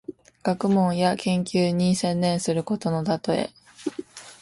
学問や研究に専念することのたとえ。